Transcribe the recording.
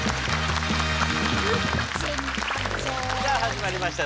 さあ始まりました